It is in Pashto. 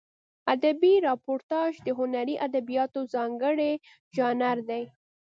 ادبي راپورتاژ د هنري ادبیاتو ځانګړی ژانر دی.